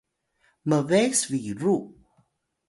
mbes biru